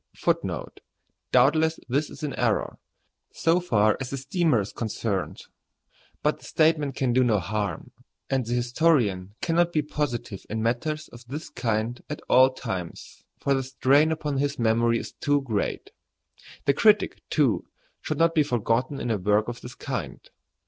[A] [Footnote A: Doubtless this is an error, so far as the steamer is concerned; but the statement can do no harm, and the historian cannot be positive in matters of this kind at all times, for the strain upon his memory is too great. The critic, too, should not be forgotten in a work of this kind.